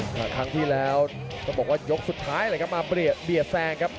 กระโดยสิ้งเล็กนี่ออกกันขาสันเหมือนกันครับ